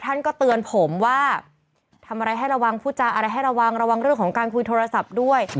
ท่านก็เตือนผมว่าทำอะไรให้ระวังพูดจาอะไรให้ระวังระวังเรื่องของการคุยโทรศัพท์ด้วย